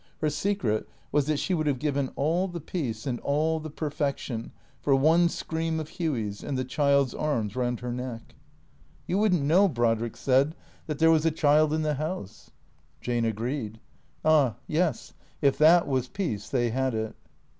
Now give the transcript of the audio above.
Her secret was that she would have given all the peace and all the perfection for one scream of Hughy's and the child's arms round her neck. " You would n't know," Brodrick said, " that there was a child in the house." 418 THECEEATOES 419 Jane agreed. Ah, yes, if that was peace, they had it.